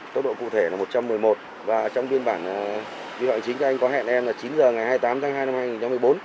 tốc độ cụ thể là một trăm một mươi một và trong biên bản vi phạm chính các anh có hẹn em là chín h ngày hai mươi tám tháng hai năm hai nghìn một mươi bốn